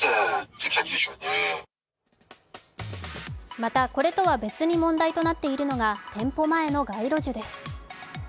また、これとは別に問題となっているのが店舗前の街路樹です。